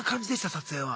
撮影は。